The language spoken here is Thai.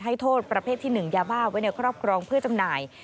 ให้โทษประเภทที่๑ยาบ้าไว้ในครอบครองเพื่อจำหน่าย